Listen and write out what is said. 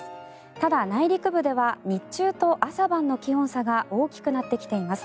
ただ、内陸部では日中と朝晩の気温差が大きくなってきています。